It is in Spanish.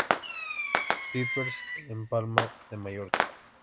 Pepper's" en Palma de Mallorca.